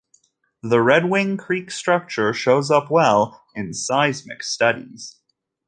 The Red Wing Creek structure shows up well in seismic studies.